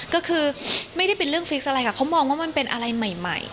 ก็คือไม่ได้เป็นเรื่องฟิกอะไรค่ะเขามองว่ามันเป็นอะไรใหม่